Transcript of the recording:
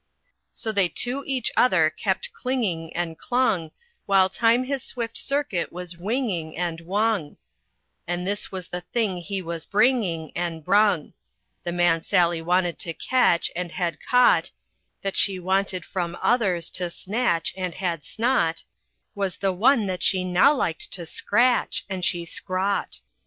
So they to each other kept clinging, and clung, While Time his swift circuit was winging, and wung; And this was the thing he was bringing, and brung: The man Sally wanted to catch, and had caught That she wanted from others to snatch, and had snaught, Was the one that she now liked to scratch, and she scraught.